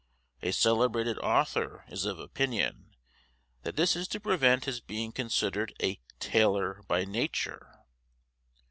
A celebrated author is of opinion, that this is to prevent his being considered a tailor by nature.